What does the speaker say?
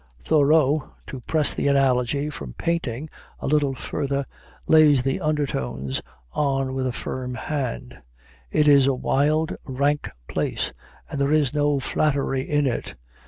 Thoreau, to press the analogy from painting a little further, lays the undertones on with a firm hand: "It is a wild, rank place and there is no flattery in it.